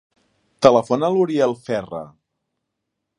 Telefona a l'Uriel Ferra.